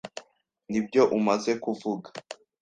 Nibyo umaze kuvuga?